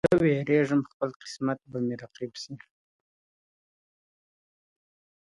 زه وېرېږم خپل قسمت به مي رقیب سي-